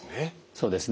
そうですね